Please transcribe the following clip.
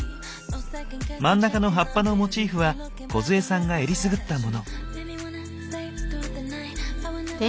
真ん中の葉っぱのモチーフは梢さんがえりすぐったもの。